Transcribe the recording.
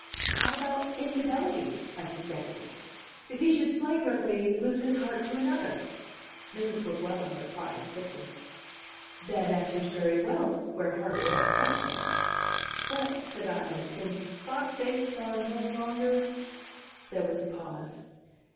"How about infidelities?" I suggested. "If he should flagrantly lose his heart to another?" Mrs. Weguelin replied quickly. "That answers very well where hearts are in question." "But," said I, "since phosphates are no longer ?" There was a pause.